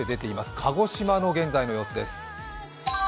鹿児島の現在の様子です。